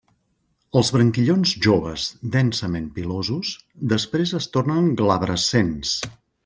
Els branquillons joves densament pilosos, després es tornen glabrescents.